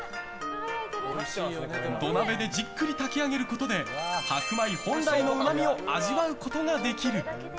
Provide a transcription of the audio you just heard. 土鍋でじっくり炊き上げることで白米本来のうまみを味わうことができる。